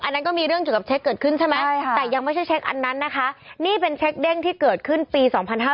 นั่นก็มีเรื่องเกี่ยวกับเช็คเกิดขึ้นใช่ไหมแต่ยังไม่ใช่เช็คอันนั้นนะคะนี่เป็นเช็คเด้งที่เกิดขึ้นปี๒๕๕๙